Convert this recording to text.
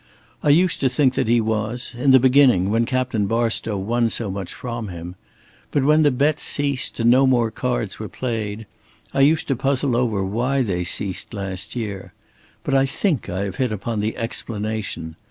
"I used to think that he was in the beginning when Captain Barstow won so much from him. But when the bets ceased and no more cards were played I used to puzzle over why they ceased last year. But I think I have hit upon the explanation.